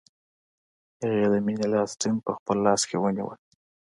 هغې د مینې لاس ټینګ په خپل لاس کې ونیوه